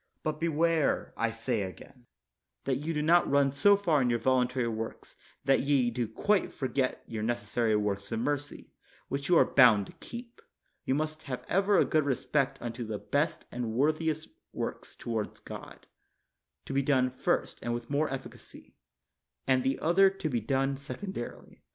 But beware, I say 16 LATIMER again, that you do not run so far in your volun tary works that ye do quite forget your necessary works of mercy, which you are bound to keep; you must have ever a good respect unto the best and worthiest works toward God to be done first and with more efficacy, and the other to be done secondarily.